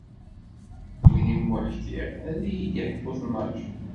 Win iwumi ḥkiɣ ad yi-d-iḥku tnac.